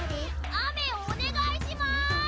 あめおねがいします！